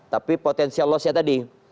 tapi potensial lossnya tadi